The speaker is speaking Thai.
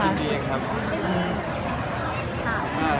มีมียังครับ